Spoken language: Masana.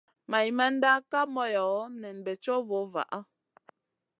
Maimanda Kay moyo nen bey co vo vaha.